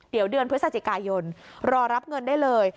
เดี๋ยวเดือนพฤศจิกายนรอรับเงินได้เลย